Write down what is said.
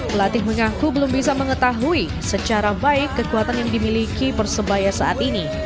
pelatih mengaku belum bisa mengetahui secara baik kekuatan yang dimiliki persebaya saat ini